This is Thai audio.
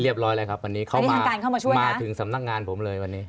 เรียบร้อยเลยครับวันนี้เข้ามาถึงสำนักงานผมเลยวันนี้